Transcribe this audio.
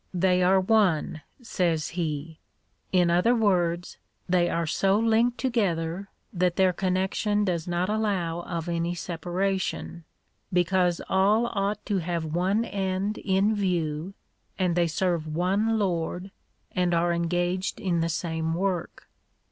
They are one, says he ; in other words, they are so linked together, that their connection does not allow of any separation, because all ought to have one end in view, and they serve one Lord, and are engaged in the same work.